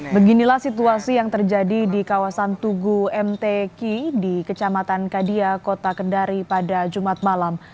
beginilah situasi yang terjadi di kawasan tugu mtk di kecamatan kadia kota kendari pada jumat malam